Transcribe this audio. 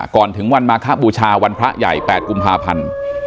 ก่อนถึงวันมาคบูชาวันพระใหญ่๘กุมภาพันธ์